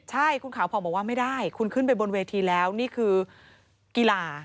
ใช่คุณขาวผ่องบอกว่าไม่ได้คุณขึ้นไปบนเวทีแล้วนี่คือกีฬา